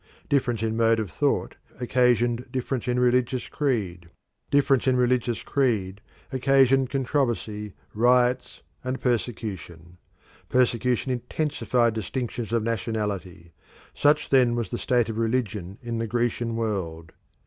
Difference in mode of thought occasioned difference in religious creed. Difference in religious creed occasioned controversy, riots and persecution. Persecution intensified distinctions of nationality. Such then was the state of religion in the Grecian world.